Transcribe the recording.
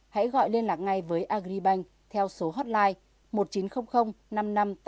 hãy gọi liên lạc ngay với agribank theo số hotline một nghìn chín trăm linh năm mươi năm tám mươi tám một mươi tám